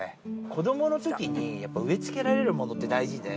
子どものときに、やっぱ植え付けられるものって大事で。